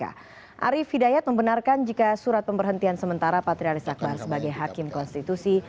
arief hidayat membenarkan jika surat pemberhentian sementara patrialis akbar sebagai hakim konstitusi